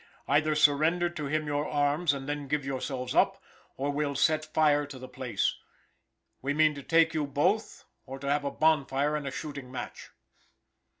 Either surrender to him your arms and then give yourselves up, or we'll set fire to the place. We mean to take you both, or to have a bonfire and a shooting match."